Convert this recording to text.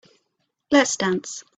Let's dance.